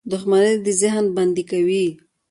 • دښمني د ذهن بندي کوي.